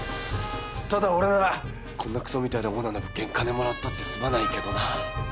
ただ俺ならこんなクソみたいなオーナーの物件金もらったって住まないけどな。